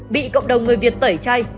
bị cộng đồng người việt tẩy chay